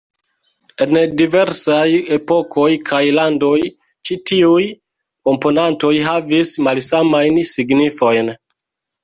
En diversaj epokoj kaj landoj ĉi-tiuj komponantoj havis malsamajn signifojn.